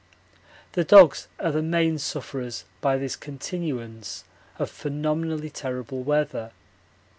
The dogs are the main sufferers by this continuance of phenomenally terrible weather.